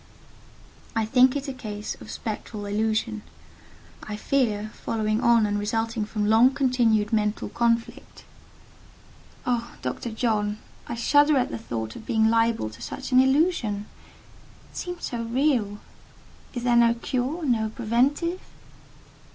"I think it a case of spectral illusion: I fear, following on and resulting from long continued mental conflict." "Oh, Doctor John—I shudder at the thought of being liable to such an illusion! It seemed so real. Is there no cure?—no preventive?"